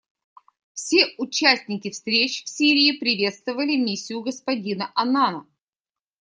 Все участники встреч в Сирии приветствовали миссию господина Аннана.